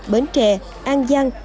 bến trè an giang